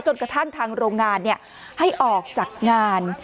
กระทั่งทางโรงงานให้ออกจากงาน